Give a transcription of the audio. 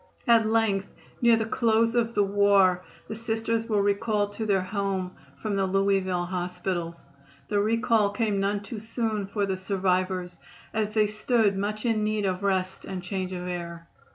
At length near the close of the war the Sisters were recalled to their home from the Louisville hospitals. The recall came none too soon for the survivors, as they stood much in need of rest and change of air.